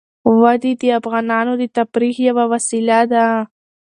وادي د افغانانو د تفریح یوه وسیله ده.